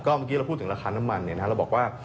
เมื่อกี้เราพูดถึงราคาน้ำมันเราบอกว่า